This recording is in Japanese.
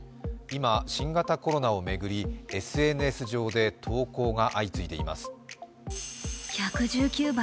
今、新型コロナを巡りＳＮＳ上で投稿が相次いでいます。